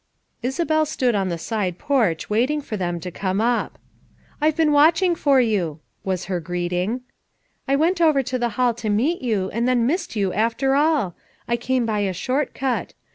Isabel stood on the side porch waiting for them to come up. "I've been watching for you," was her greeting. "I went over to the 312 FOUR MOTHERS AT CHAUTAUQUA hall to meet you, and then missed you after all. I came by a short cut.